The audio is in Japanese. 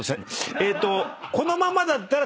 えーっと。